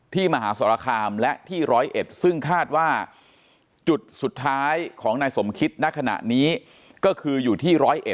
มหาสรคามและที่๑๐๑ซึ่งคาดว่าจุดสุดท้ายของนายสมคิดณขณะนี้ก็คืออยู่ที่๑๐๑